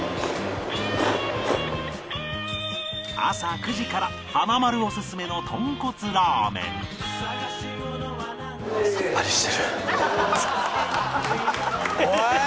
朝９時から華丸オススメのとんこつラーメンおい！